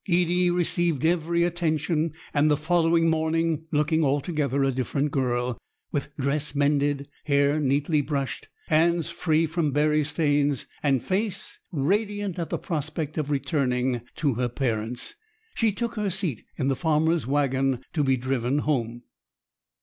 Edie received every attention; and the following morning, looking altogether a different girl, with dress mended, hair neatly brushed, hands free from berry stains, and face radiant at the prospect of returning to her parents, she took her seat in the farmer's waggon to be driven home.